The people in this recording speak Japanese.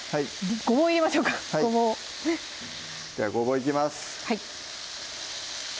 ごぼう入れましょうかごぼうはいじゃあごぼういきます